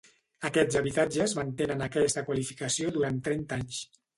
Aquests habitatges mantenen aquesta qualificació durant trenta anys.